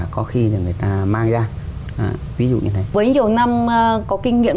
có kinh nghiệm